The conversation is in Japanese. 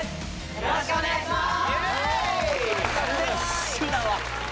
よろしくお願いします！